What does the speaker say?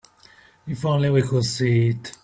If only we could see it.